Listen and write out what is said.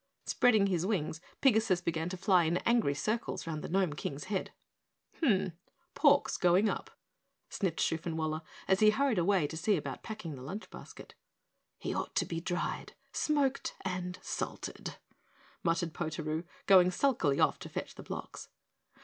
Spreading his wings, Pigasus began to fly in angry circles round the Gnome King's head. "Humph, pork's going up!" sniffed Shoofenwaller as he hurried away to see about packing the lunch basket. "He ought to be dried, smoked and salted," muttered Potaroo, going sulkily off to fetch the blocks.